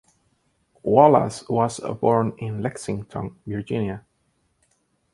Wallace was born in Lexington, Virginia.